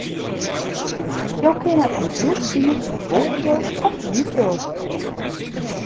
Jo kinne in hoed fine yn wolfilt of hierfilt.